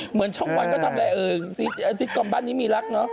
เหมือนช่องวันก็แต่สิ้นกรรมบ้านนี้มีลัก